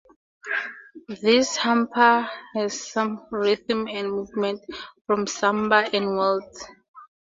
This Humppa has some rhythm and movement from samba and waltz.